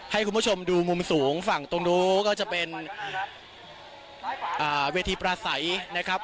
ให้คุณผู้ชมดูมุมสูงฝั่งตรงนู้นก็จะเป็นเวทีปราศัยนะครับ